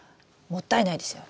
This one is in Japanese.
もったいないですよ。